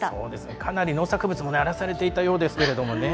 かなり農作物も荒らされていたようですけれども。